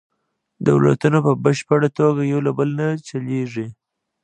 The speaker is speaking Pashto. دولتونه په بشپړه توګه یو له بل نه جلیږي